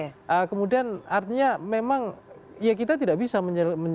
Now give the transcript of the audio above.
nah kemudian artinya memang ya kita tidak bisa menjelaskan